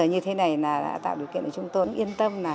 nhạy bên kent